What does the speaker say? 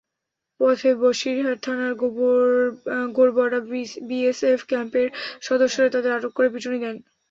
পথে বশিরহাট থানার গোরবডা বিএসএফ ক্যাম্পের সদস্যরা তাঁদের আটক করে পিটুনি দেন।